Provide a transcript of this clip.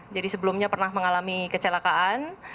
jadi sebelumnya pernah mengalami kecelakaan